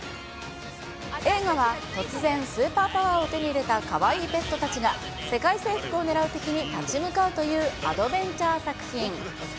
映画は、突然、スーパーパワーを手に入れたかわいいペットたちが、世界征服を狙う敵に立ち向かうというアドベンチャー作品。